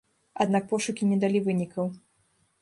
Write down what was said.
Аднак пошукі не далі вынікаў.